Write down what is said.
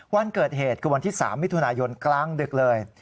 วันเกิดเหตุคือวันที่๓มิถุนายนกลางดึกเลย